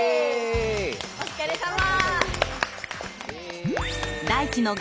お疲れさま。